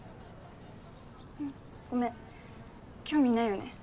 ごめん興味ないよね。